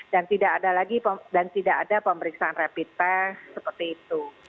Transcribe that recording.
dan tidak ada lagi pemeriksaan rapid test seperti itu